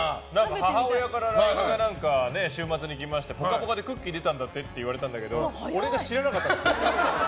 母親からＬＩＮＥが週末に来まして「ぽかぽか」でクッキー出たんだってって言われたんだけど俺が知らなかったんです。